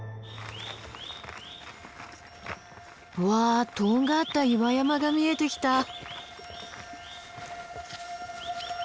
わあとんがった岩山が見えてきた！